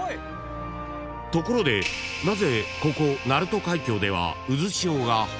［ところでここ鳴門海峡では］